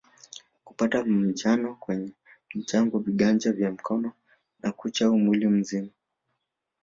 Kupata manjano kwenye macho vinganja vya mikono na kucha au mwili mzima